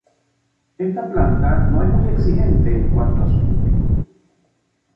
Esta planta no es muy exigente en cuanto a su cultivo.